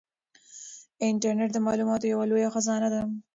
انټرنيټ د معلوماتو یوه لویه خزانه ده.